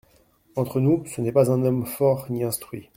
Entre nous, ce n’est pas un homme fort ni instruit…